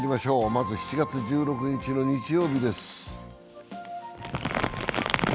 まず７月１２日の日曜日です。